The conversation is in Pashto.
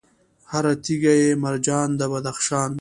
هر تیږه یې مرجان د بدخشان